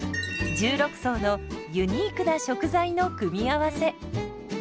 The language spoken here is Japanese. １６層のユニークな食材の組み合わせ。